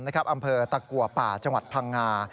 อำเภอตะกัวป่าจังหวัดพังงา